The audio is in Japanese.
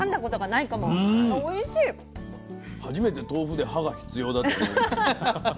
初めて豆腐で歯が必要だと思いました。